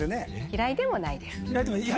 嫌いでもないです。